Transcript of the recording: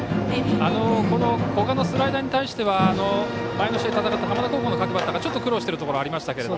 この古賀のスライダーに対しては前の試合で戦った浜田高校の各バッターがちょっと苦労してるところがありましたけど。